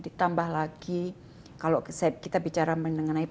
ditambah lagi kalau kita bicara mengenai pandemi